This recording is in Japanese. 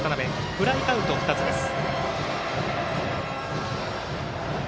フライアウト２つです。